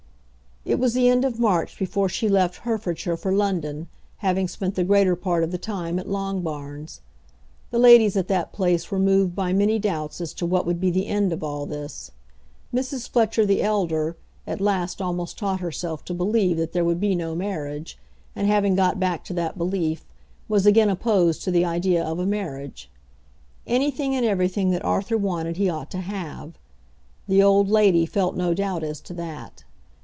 It was the end of March before she left Herefordshire for London, having spent the greater part of the time at Longbarns. The ladies at that place were moved by many doubts as to what would be the end of all this. Mrs. Fletcher the elder at last almost taught herself to believe that there would be no marriage, and having got back to that belief, was again opposed to the idea of a marriage. Anything and everything that Arthur wanted he ought to have. The old lady felt no doubt as to that.